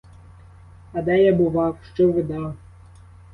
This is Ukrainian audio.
А де я бував, що видав!